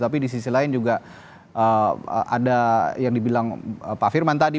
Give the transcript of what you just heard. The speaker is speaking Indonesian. tapi di sisi lain juga ada yang dibilang pak firman tadi